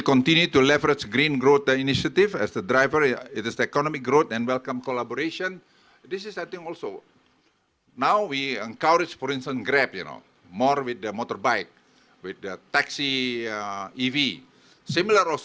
kedua membangun ekonomi hijau yang berdasarkan lima pilar